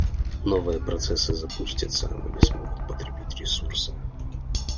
Новые процессы запустятся, но не смогут потребить ресурсы